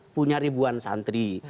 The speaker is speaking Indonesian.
punya ribuan santri